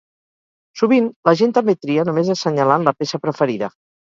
Sovint la gent també tria només assenyalant la peça preferida.